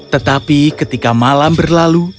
tetapi ketika malam berlalu